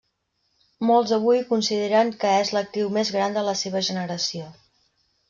Molts avui consideren que és l'actriu més gran de la seva generació.